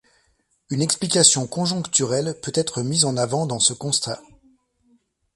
Une explication conjoncturelle peut être mise en avant dans ce constat.